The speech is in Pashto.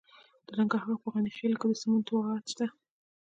د ننګرهار په غني خیل کې د سمنټو مواد شته.